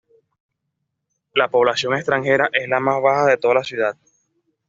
La población extranjera es la más baja de toda la ciudad.